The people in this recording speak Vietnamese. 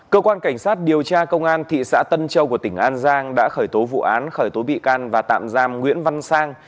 cơ quan cảnh sát điều tra công an thị xã tân châu của tỉnh an giang đã khởi tố vụ án khởi tố bị can và tạm giam nguyễn văn sang